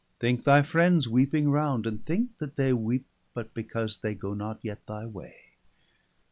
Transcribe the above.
Thinke thy friends weeping round, and thinke that they Weepe but because they goe not yet thy way.